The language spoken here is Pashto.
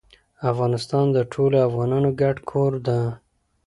افغانستان د ټولو افغانانو ګډ کور ده.